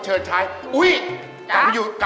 อุ๊ยพอให้ผมนะ